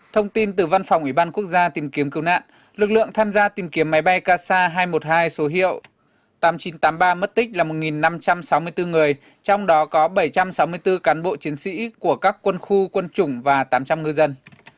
thông tin từ văn phòng ủy ban quốc gia tìm kiếm cứu nạn lực lượng tham gia tìm kiếm máy bay kc hai trăm một mươi hai số hiệu tám nghìn chín trăm tám mươi ba mất tích là một năm trăm sáu mươi bốn người trong đó có bảy trăm sáu mươi bốn cán bộ chiến sĩ của các quân khu quân chủng và tám trăm linh ngư dân